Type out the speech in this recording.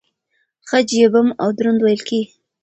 خج يې بم او دروند وېل کېږي.